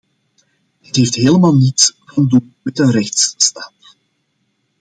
Dat heeft helemaal niets van doen met een rechtsstaat.